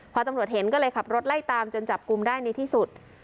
พอตำรวจเห็นก็เลยขับรถไล่ตามจนจับกลุ่มได้ในที่สุด